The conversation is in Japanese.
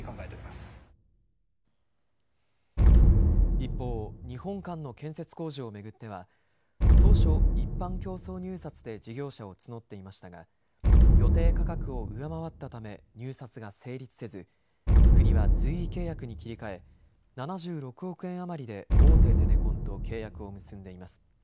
一方、日本館の建設工事を巡っては当初、一般競争入札で事業者を募っていましたが予定価格を上回ったため入札が成立せず国は随意契約に切り替え７６億円余りで大手ゼネコンと契約を結んでいます。